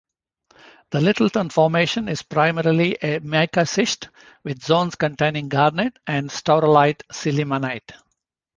The Littleton Formation is primarily a mica schist with zones containing garnet and staurolite-sillimanite.